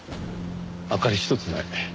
明かり一つない。